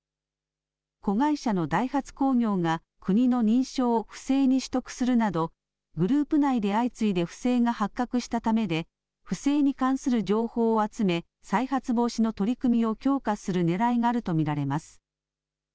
子会社のダイハツ工業が国の認証を不正に取得するなど、グループ内で相次いで不正が発覚したためで、不正に関する情報を集め、再発防止の取り組みを強化するねらいがあると見られます。